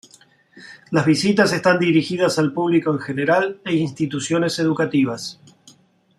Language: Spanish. Las visitas están dirigidas al público en general e instituciones educativas.